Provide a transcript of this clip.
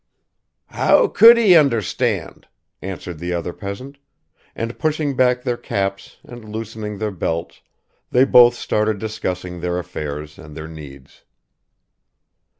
"How could he understand!" answered the other peasant, and pushing back their caps and loosening their belts they both started discussing their affairs and their needs.